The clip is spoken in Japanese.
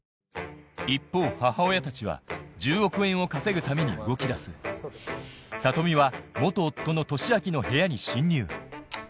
一方母親たちは１０億円を稼ぐために動きだす里美は夫の利明の部屋に侵入挿入。